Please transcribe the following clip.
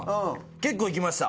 結構いきました。